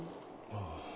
ああ。